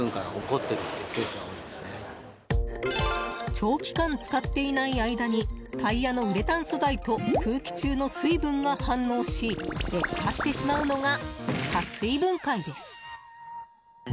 長期間使っていない間にタイヤのウレタン素材と空気中の水分が反応し劣化してしまうのが加水分解です。